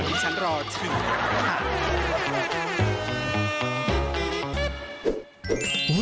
ดิฉันรอถึงค่ะ